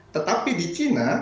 tetapi di cina